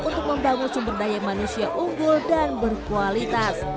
untuk membangun sumber daya manusia unggul dan berkualitas